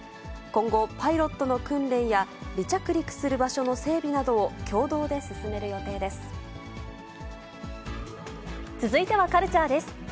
今後、パイロットの訓練や、離着陸する場所の整備などを共同続いてはカルチャーです。